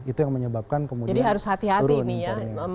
itu yang menyebabkan kemudian turun